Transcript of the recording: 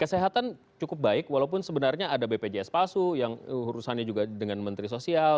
kesehatan cukup baik walaupun sebenarnya ada bpjs palsu yang urusannya juga dengan menteri sosial